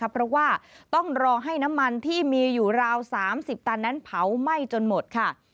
เพราะว่าต้องรอให้น้ำมันที่มีอยู่ราว๓๐ตันนั้นเผาไหม้จนหมดค่ะ